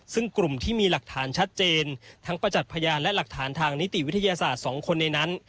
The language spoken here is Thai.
ซึ่งกลุ่มที่มีหลักฐานชัดเจนทั้งประจักษ์พยานและหลักฐานทางนิติวิทยาศาสตร์๒คนในนั้น